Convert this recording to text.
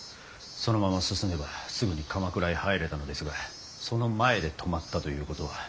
そのまま進めばすぐに鎌倉へ入れたのですがその前で止まったということは。